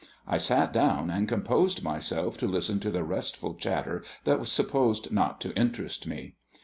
I sat down, and composed myself to listen to the restful chatter that was supposed not to interest me.